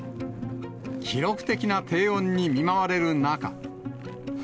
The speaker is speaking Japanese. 記録的な低温に見舞われる中。